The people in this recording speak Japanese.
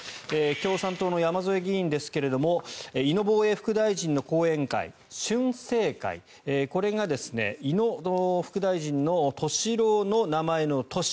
共産党の山添議員ですが井野防衛副大臣の後援会俊世会これが井野副大臣の俊郎の名前の「俊」